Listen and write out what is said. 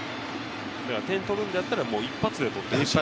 点を取るんだったら、一発で取ってほしい。